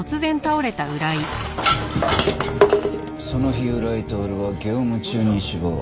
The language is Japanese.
その日浦井徹は業務中に死亡。